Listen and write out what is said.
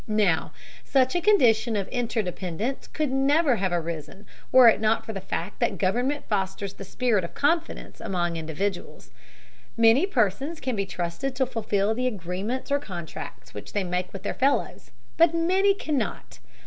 Now, such a condition of interdependence could never have arisen were it not for the fact that government fosters the spirit of confidence among individuals. Many persons can be trusted to fulfill the agreements or contracts which they make with their fellows, but many cannot.